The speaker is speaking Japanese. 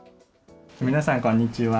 皆さん、こんにちは。